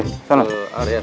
ke area santriwan aja pak